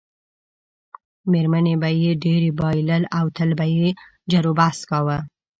میرمنې به یې ډېری بایلل او تل به یې جروبحث کاوه.